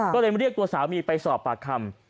ก็เลยมาเรียกตัวสามีไปสอบปากคำ